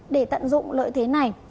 để tận dụng lợi thế này